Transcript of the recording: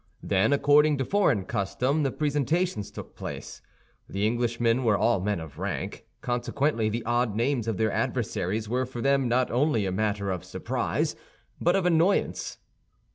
Then, according to foreign custom, the presentations took place. The Englishmen were all men of rank; consequently the odd names of their adversaries were for them not only a matter of surprise, but of annoyance.